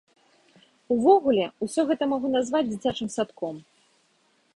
Увогуле я ўсё гэта магу назваць дзіцячым садком.